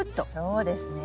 そうですね。